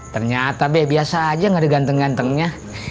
ternyata be biasa aja nggak ada ganteng gantengnya